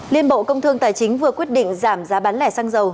liên bộ công thương tài chính vừa quyết định giảm giá bán lẻ xăng dầu